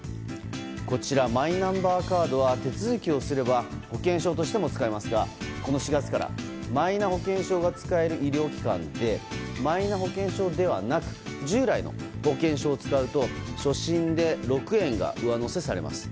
こちら、マイナンバーカードは手続きをすれば保険証としても使えますがこの４月からマイナ保険証が使える医療機関でマイナ保険証ではなく従来の保険証を使うと初診で６円が上乗せされます。